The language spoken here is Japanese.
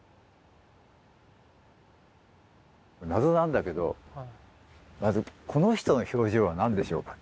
謎なんだけどまずこの人の表情は何でしょうか。